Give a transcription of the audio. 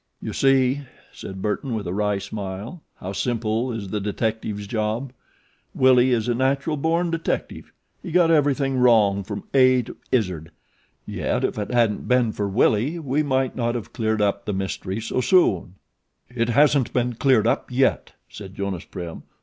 "You see," said Burton, with a wry smile, "how simple is the detective's job. Willie is a natural born detective. He got everything wrong from A to Izzard, yet if it hadn't been for Willie we might not have cleared up the mystery so soon." "It isn't all cleared up yet," said Jonas Prim.